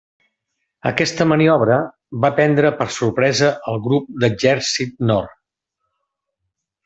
Aquesta maniobra, va prendre per sorpresa al Grup d'Exèrcit Nord.